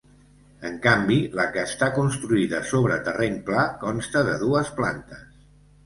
En canvi la que està construïda sobre terreny pla consta de dues plantes.